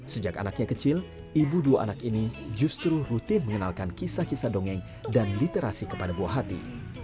sejak anaknya kecil ibu dua anak ini justru rutin mengenalkan kisah kisah dongeng dan literasi kepada buah hati